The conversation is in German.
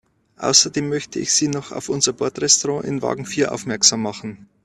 Außerdem möchte ich Sie noch auf unser Bordrestaurant in Wagen vier aufmerksam machen.